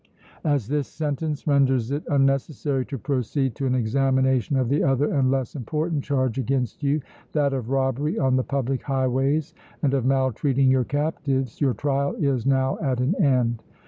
As this sentence renders it unnecessary to proceed to an examination of the other and less important charge against you, that of robbery on the public highways and of maltreating your captives, your trial is now at an end.